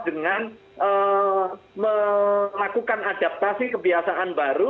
dengan melakukan adaptasi kebiasaan baru